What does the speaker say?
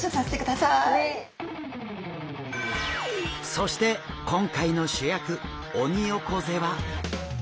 そして今回の主役オニオコゼは。